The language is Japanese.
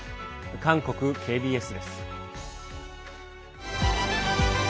韓国ＫＢＳです。